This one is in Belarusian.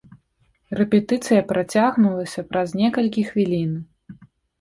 Рэпетыцыя працягнулася праз некалькі хвілін.